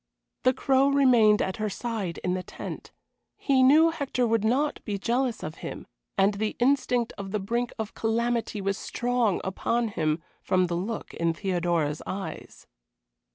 The Crow remained at her side in the tent. He knew Hector would not be jealous of him, and the instinct of the brink of calamity was strong upon him, from the look in Theodora's eyes.